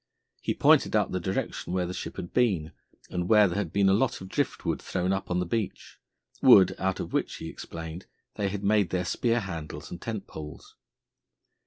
He pointed out the direction where the ship had been, and where there had been a lot of drift wood thrown up on the beach wood out of which, he explained, they had made their spear handles and tent poles.